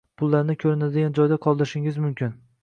pullarni ko‘rinadigan joyda qoldirishingiz mumkin.